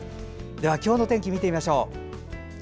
今日の天気を見てみましょう。